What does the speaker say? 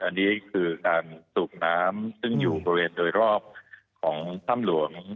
อันนี้คือการสูบน้ำซึ่งอยู่บริเวณโดยรอบของถ้ำหลวง